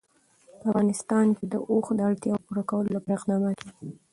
په افغانستان کې د اوښ د اړتیاوو پوره کولو لپاره اقدامات کېږي.